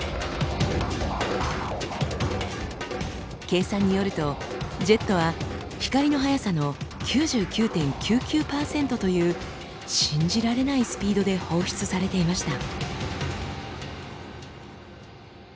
計算によるとジェットは光の速さの９９．９９％という信じられないスピードで放出されていました。